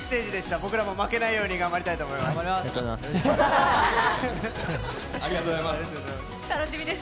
僕らも負けないように頑張りたいと思います。